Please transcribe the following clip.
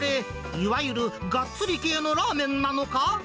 いわゆるがっつり系のラーメンなのか。